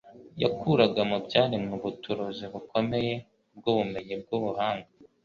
yakuraga mu byaremwe ubuturuzi bukomeye bw'ubumenyi bw'ubuhanga.